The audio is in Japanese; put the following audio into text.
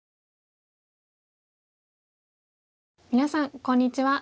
皆さんこんにちは。